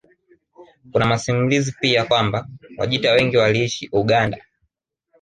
Kuna masimulizi pia kwamba Wajita wengi waliishi Uganda